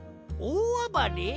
おおあばれ？